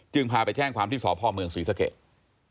จึงพาไปแช่งความที่สอบพ่อเมืองศรีสะเกะ